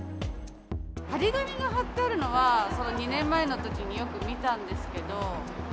貼り紙が貼ってあるのは、２年前のときによく見たんですけど。